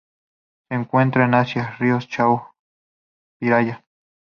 Se encuentran en Asia: ríos Chao Phraya